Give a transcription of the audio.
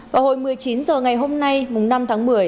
vào hồi một mươi chín h ngày hôm nay năm tháng một mươi